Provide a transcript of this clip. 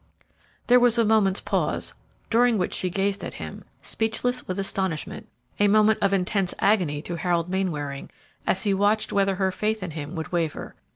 There was a moment's pause, during which she gazed at him, speechless with astonishment; a moment of intense agony to Harold Mainwaring, as he watched whether her faith in him would waver.